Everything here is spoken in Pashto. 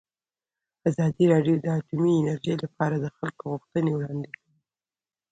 ازادي راډیو د اټومي انرژي لپاره د خلکو غوښتنې وړاندې کړي.